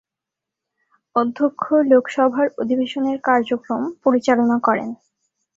অধ্যক্ষ লোকসভার অধিবেশনের কাজকর্ম পরিচালনা করেন।